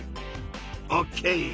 オッケー！